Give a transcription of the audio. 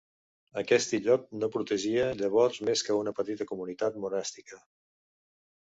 Aquest illot no protegia llavors més que una petita comunitat monàstica.